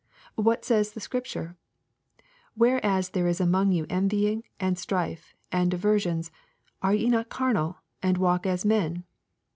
What says the Scripture ?" Whereas there is among you envying, and strife, and divisions, are ye not carnal, and walk as men